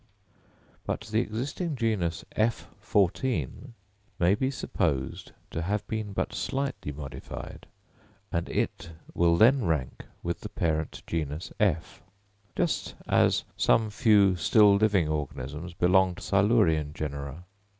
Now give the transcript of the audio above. But the existing genus F14 may be supposed to have been but slightly modified, and it will then rank with the parent genus F; just as some few still living organisms belong to Silurian genera.